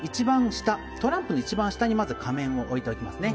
トランプの一番下に仮面を置いておきます。